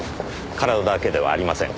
体だけではありません。